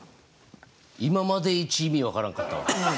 今までイチ意味分からんかったわ。